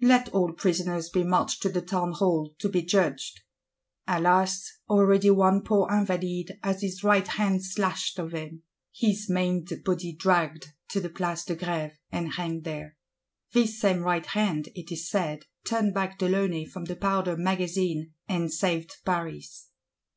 Let all prisoners be marched to the Townhall, to be judged!—Alas, already one poor Invalide has his right hand slashed off him; his maimed body dragged to the Place de Grève, and hanged there. This same right hand, it is said, turned back de Launay from the Powder Magazine, and saved Paris.